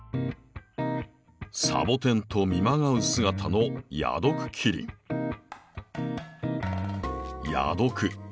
サボテンと見まがう姿の矢毒。